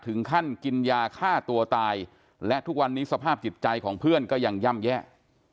ถึงขั้นกินยาฆ่าตัวตายและทุกวันนี้สภาพจิตใจของเพื่อนก็ยังย่ำแย่